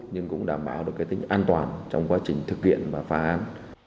nhưng cũng đảm bảo được tính an toàn trong quá trình thực hiện và phá an